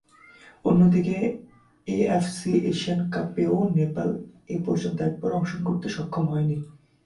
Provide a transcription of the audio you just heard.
অন্যদিকে, AFC Asian কাপেও নেপাল এপর্যন্ত একবারও অংশগ্রহণ করতে সক্ষম হয়নি।